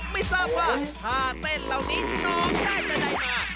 ไม่ทราบค่ะถ้าเต้นเหล่านี้น้องได้จะได้มา